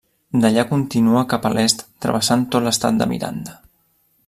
D'allà continua cap a l'est travessant tot l'estat de Miranda.